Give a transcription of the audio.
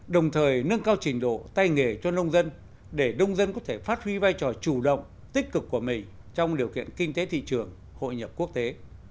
đồng thời nâng cao trình độ tay nghề cho nông dân để nông dân có thể phát huy vai trò chủ động tích cực của mình trong điều kiện kinh tế thị trường hội nhập quốc tế